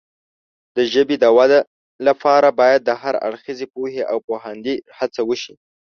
د ژبې د وده لپاره باید د هر اړخیزې پوهې او پوهاندۍ هڅه وشي.